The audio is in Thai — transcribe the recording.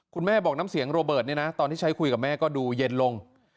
คุณแม่บอกน้ำเสียงโรเบิร์ตเนี่ยนะตอนที่ใช้คุยกับแม่ก็ดูเย็นลง